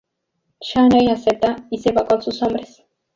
Chaney acepta y se va con sus hombres.